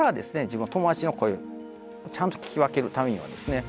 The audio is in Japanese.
自分は友達の声をちゃんと聞き分けるためにはですね